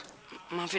ken nanti kita latihan